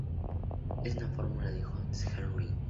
Esta es la fórmula de Holstein-Herring.